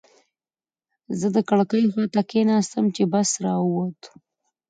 زه د کړکۍ خواته کېناستم چې بس را ووت.